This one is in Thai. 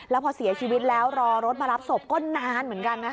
แล้วพอเสียชีวิตแล้วรอรถมารับศพก็นานเหมือนกันนะคะ